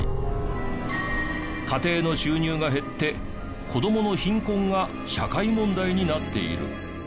家庭の収入が減って子どもの貧困が社会問題になっている。